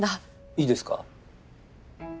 いいですか？